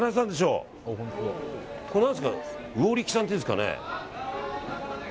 うおりきさんっていうんですかね。